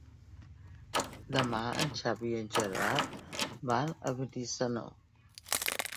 Demà en Xavi i en Gerard van a Benissanó.